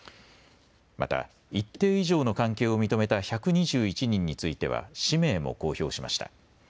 また一定以上の関係を認めた１２１人については氏名も公表しました。